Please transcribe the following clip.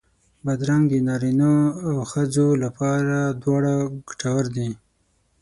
بادرنګ د نارینو او ښځو لپاره دواړو ګټور دی.